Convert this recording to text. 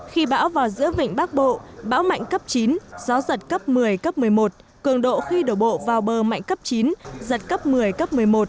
khi bão vào giữa vịnh bắc bộ bão mạnh cấp chín gió giật cấp một mươi cấp một mươi một cường độ khi đổ bộ vào bờ mạnh cấp chín giật cấp một mươi cấp một mươi một